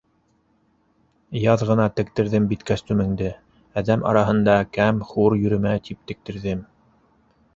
- Яҙ ғына тектерҙем бит кәстүмеңде, әҙәм араһында кәм-хур йөрөмә тип тектерҙем.